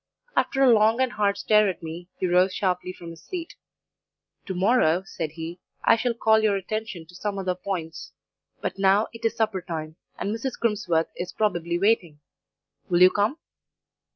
After a long and hard stare at me, he rose sharply from his seat. "'To morrow,' said he, 'I shall call your attention to some other points; but now it is supper time, and Mrs. Crimsworth is probably waiting; will you come?